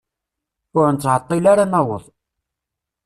Ur nettɛeṭṭil ara ad naweḍ.